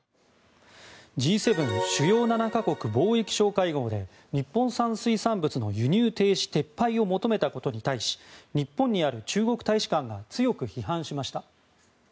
Ｇ７・主要７か国貿易相会合で日本産水産物の輸入停止撤廃を求めたことに対し日本にある中国大使館が強く批判しました。